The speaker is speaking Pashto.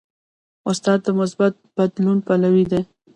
استاد د مثبت بدلون پلوی دی.